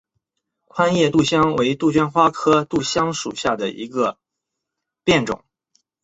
宽叶杜香为杜鹃花科杜香属下的一个变种。